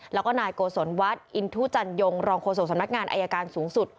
แล้วก็นายโกศลวัฒน์อินทุจันยงรองโฆษกสำนักงานอายการสูงสุด